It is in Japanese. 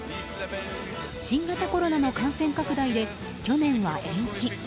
新型コロナの感染拡大で去年は延期。